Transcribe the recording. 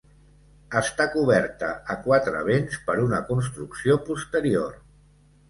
Està coberta a quatre vents per una construcció posterior.